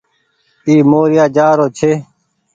اي موريآ جآ رو ڇي۔